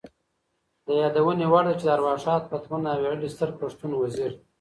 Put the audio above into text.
د یادونې وړ ده چې د ارواښاد پتمن او ویاړلي ستر پښتون وزیر